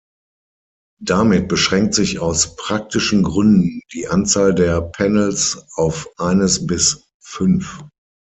Damit beschränkt sich aus praktischen Gründen die Anzahl der Panels auf eines bis fünf.